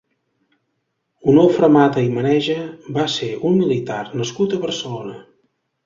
Onofre Mata i Maneja va ser un militar nascut a Barcelona.